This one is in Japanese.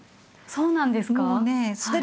そうなんですか？